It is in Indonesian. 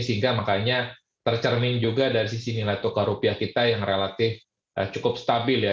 sehingga makanya tercermin juga dari sisi nilai tukar rupiah kita yang relatif cukup stabil ya